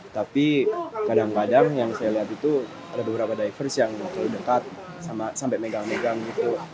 tapi kadang kadang yang saya lihat itu ada beberapa divers yang dekat sampai megang megang itu